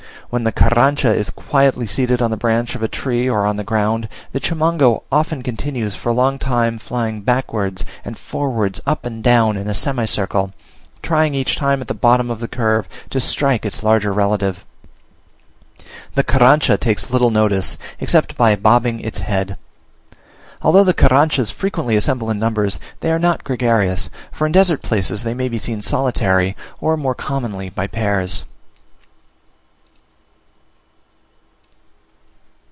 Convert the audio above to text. When the Carrancha is quietly seated on the branch of a tree or on the ground, the Chimango often continues for a long time flying backwards and forwards, up and down, in a semicircle, trying each time at the bottom of the curve to strike its larger relative. The Carrancha takes little notice, except by bobbing its head. Although the Carranchas frequently assemble in numbers, they are not gregarious; for in desert places they may be seen solitary, or more commonly by pairs.